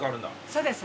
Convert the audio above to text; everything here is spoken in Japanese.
そうです。